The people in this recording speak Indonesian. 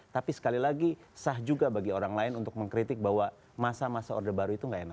tapi sekali lagi sah juga bagi orang lain untuk mengkritik bahwa masa masa orde baru itu nggak enak